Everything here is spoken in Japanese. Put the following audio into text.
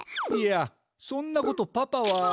いやそんなことパパは。